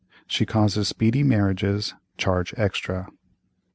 She causes speedy marriages; charge extra."